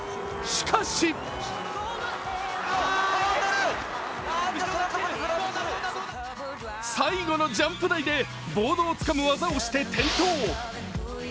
しかし、最後のジャンプ台でボードをつかむ技をして転倒。